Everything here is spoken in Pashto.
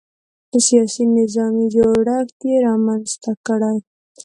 سیاسي نظامي جوړښت یې رامنځته کړی.